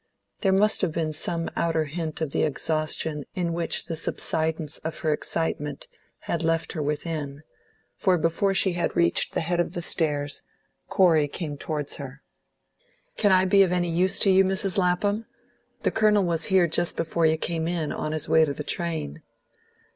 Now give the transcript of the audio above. There must have been some outer hint of the exhaustion in which the subsidence of her excitement had left her within, for before she had reached the head of the stairs, Corey came towards her. "Can I be of any use to you, Mrs. Lapham? The Colonel was here just before you came in, on his way to the train."